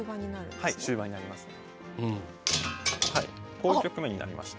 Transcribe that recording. こういう局面になりまして。